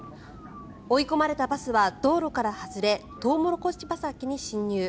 追い込まれたバスは道路から外れトウモロコシ畑に進入。